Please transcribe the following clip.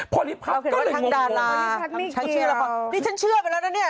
โพลิพัสก็เลยงงโพลิพัสไม่เกี่ยวนี่ฉันเชื่อไปแล้วนะเนี่ย